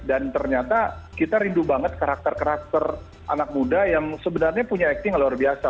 ternyata kita rindu banget karakter karakter anak muda yang sebenarnya punya acting yang luar biasa